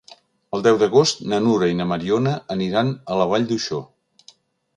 El deu d'agost na Nura i na Mariona aniran a la Vall d'Uixó.